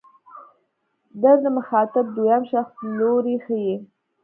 در د مخاطب دویم شخص لوری ښيي.